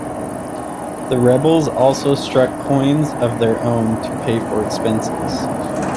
The rebels also struck coins of their own to pay for expenses.